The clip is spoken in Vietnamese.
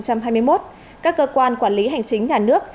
các cơ quan quản lý hành chính nhà nước